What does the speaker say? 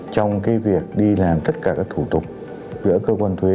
trong việc đi làm tất cả các thủ tục giữa cơ quan thuế